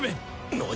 何！？